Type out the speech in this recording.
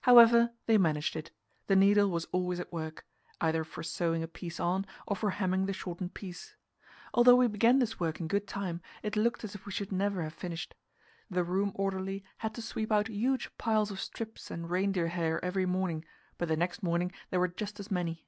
However, they managed it; the needle was always at work, either for sewing a piece on, or for hemming the shortened piece. Although we began this work in good time, it looked as if we should never have finished. The room orderly had to sweep out huge piles of strips and reindeer hair every morning, but the next morning there were just as many.